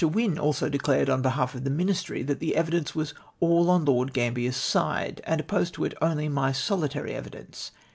Wynne also declared, on behalf of the Ministry, that the evidence was all on Lord Gambler's side! and opposed to it only my solitary evidence.